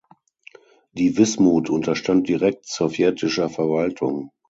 Die Wismut unterstand direkt sowjetischer Verwaltung.